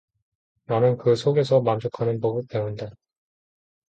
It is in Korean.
나는 그 속에서 만족하는 법을 배운다.